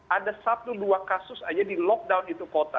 ada satu dua kasus saja di lockdown itu kota